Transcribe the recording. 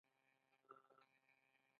بهلول سمدستي ځواب ورکړ: ته خو ډېر ناپوهه یې.